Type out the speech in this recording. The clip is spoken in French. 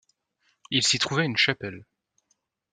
Il s’y trouvait une chapelle.